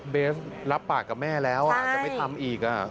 เบสรับปากกับแม่แล้วจะไม่ทำอีก